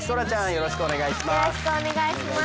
よろしくお願いします。